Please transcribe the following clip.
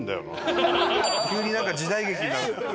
急になんか時代劇になる。